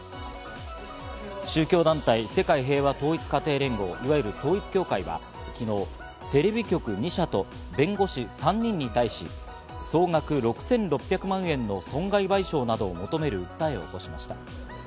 宗教団体・世界平和統一家庭連合、いわゆる統一教会が昨日、テレビ局２社と弁護士３人に対し、総額６６００万円の損害賠償などを求める訴えを起こしました。